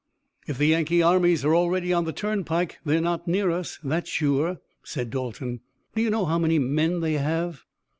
"If the Yankee armies are already on the turnpike they're not near us. That's sure," said Dalton. "Do you know how many men they have?"